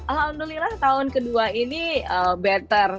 alhamdulillah tahun kedua ini better